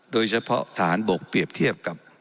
โดยเฉพาะฐานบกเปรียบเทียบกับ